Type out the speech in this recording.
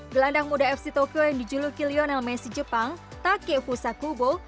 gelandang muda fc tokyo yang dijuluki lionel messi jepang take fusakubo